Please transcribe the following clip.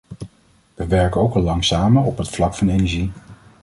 We werken ook al lang samen op het vlak van energie.